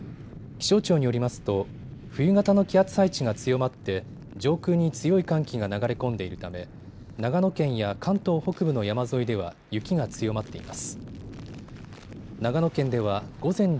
気象庁によりますと冬型の気圧配置が強まって上空に強い寒気が流れ込んでいるため長野県や関東北部の山沿いでは雪が強まっています。